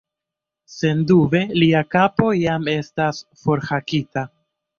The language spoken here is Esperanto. Sendube, lia kapo jam estas forhakita.